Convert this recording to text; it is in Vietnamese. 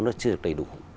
nó chưa được đầy đủ